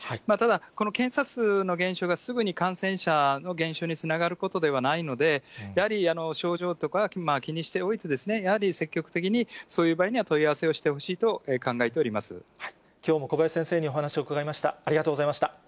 ただ、この検査数の減少が、すぐに感染者の減少につながることではないので、やはり症状とかは気にしておいてですね、やはり積極的にそういう場合には、問い合わせをしてほしいと考えてきょうも小林先生にお話を伺いました。